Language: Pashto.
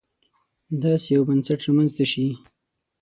داسې یو بنسټ رامنځته شي.